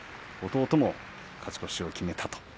弟も勝ち越しを決めたと。